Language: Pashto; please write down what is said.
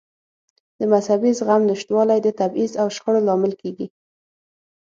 د مذهبي زغم نشتوالی د تبعیض او شخړو لامل کېږي.